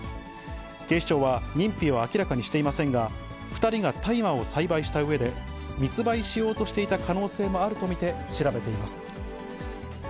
警視庁は、認否を明らかにしていませんが、２人が大麻を栽培したうえで、密売しようとしていた可能性もあると見て調べています。